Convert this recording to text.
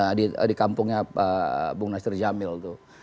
nah di kampungnya bung nasir jamil tuh